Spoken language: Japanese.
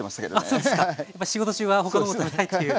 あそうですか。仕事中は他のもの食べたいっていう。